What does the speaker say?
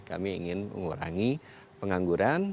kami ingin mengurangi pengangguran